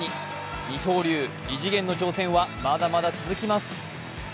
二刀流・異次元の挑戦はまだまだ続きます。